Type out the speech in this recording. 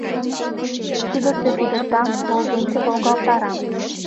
Кӱдырчӧ кӱдырта, волгенче волгалтара.